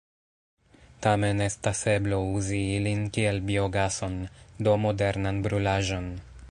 Tamen estas eblo uzi ilin kiel biogason, do modernan brulaĵon.